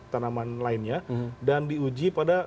tanaman lainnya dan diuji pada